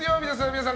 皆さん